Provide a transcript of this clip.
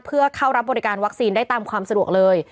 เพื่อเข้ารับบริการวัคซีนได้ตามความสะดวกเลย